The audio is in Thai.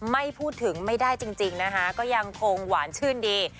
ไม่พูดถึงไม่ได้จริงนะคะก็ยังคงหวานชื่นดี